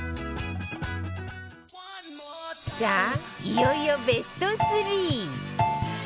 いよいよベスト３